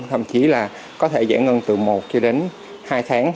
thậm chí là có thể giải ngân từ một cho đến hai tháng